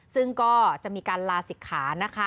ซึ่งก็จะมีการลาศิกขานะคะ